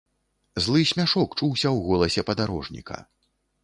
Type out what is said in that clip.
Злы смяшок чуўся ў голасе падарожніка.